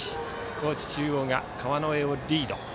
高知中央が川之江をリード。